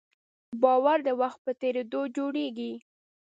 باور د وخت په تېرېدو جوړېږي.